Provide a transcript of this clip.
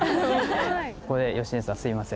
ここで芳根さんすいません。